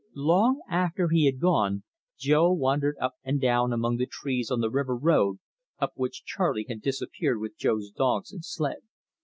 Long after he had gone, Jo wandered up and down among the trees on the river road, up which Charley had disappeared with Jo's dogs and sled.